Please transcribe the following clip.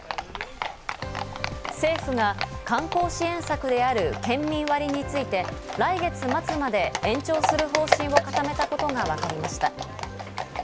政府が観光支援策である県民割について来月末まで延長する方針を固めたことがわかりました。